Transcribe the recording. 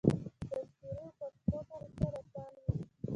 د تذکرې او پاسپورټ اخیستل اسانه وي.